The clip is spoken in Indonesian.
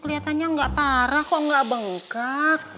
keliatannya gak parah kok gak bengkak